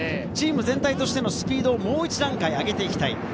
チーム全体としてのスピードをもう１段階上げていきたい。